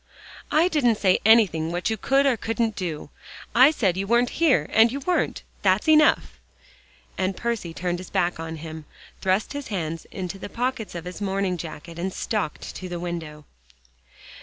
"I didn't say anything what you could or couldn't do. I said you weren't here, and you weren't. That's enough," and Percy turned his back on him, thrust his hands in the pockets of his morning jacket and stalked to the window.